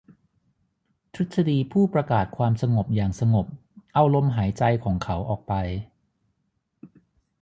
ทฤษฎีผู้ประกาศความสงบอย่างสงบเอาลมหายใจของเขาออกไป